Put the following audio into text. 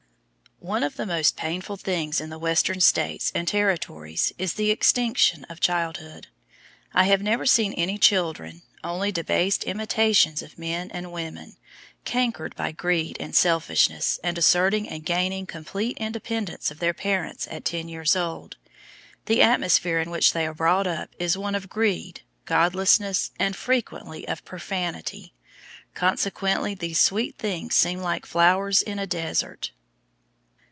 One of the most painful things in the Western States and Territories is the extinction of childhood. I have never seen any children, only debased imitations of men and women, cankered by greed and selfishness, and asserting and gaining complete independence of their parents at ten years old. The atmosphere in which they are brought up is one of greed, godlessness, and frequently of profanity. Consequently these sweet things seem like flowers in a desert.